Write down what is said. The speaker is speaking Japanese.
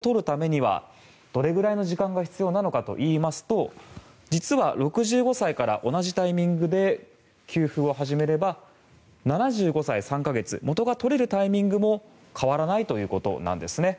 では、これまで払ってきたそれぞれの納付総額の元を取るためにはどれくらいの時間が必要なのかといいますと実は６５歳から同じタイミングで給付を始めれば７５歳３か月元が取れるタイミングも変わらないということなんですね。